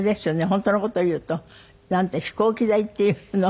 本当の事を言うと飛行機代っていうの？